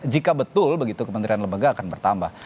jika betul begitu kementerian lembaga akan bertambah